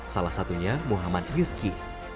salah satunya muhammad yuski